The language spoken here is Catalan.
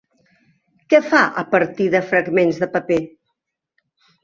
Què fa a partir de fragments de paper?